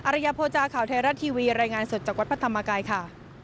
ริยโภจาข่าวไทยรัฐทีวีรายงานสดจากวัดพระธรรมกายค่ะ